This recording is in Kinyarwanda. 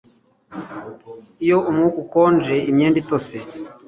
iyo umwuka ukonje, imyenda itose